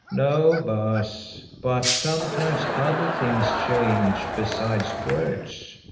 "No, Baas, but sometimes other things change besides words.